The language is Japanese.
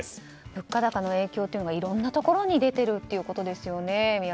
物価高の影響というのはいろんなところに出ているということですね。